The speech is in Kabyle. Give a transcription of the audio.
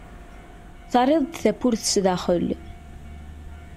Terriḍ-d tawwurt sdaxel.